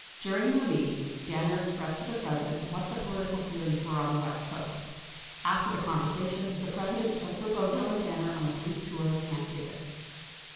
During their meeting, Danner ex pressed to the President what the political feelings were on the west coast. After the conversation, the President took Rebozo and Dinner on a brief tour of Camp David.